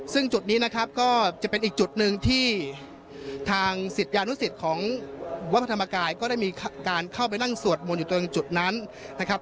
ซึ่งจุดนี้นะครับก็จะเป็นอีกจุดหนึ่งที่ทางศิษยานุสิตของวัดพระธรรมกายก็ได้มีการเข้าไปนั่งสวดมนต์อยู่ตรงจุดนั้นนะครับ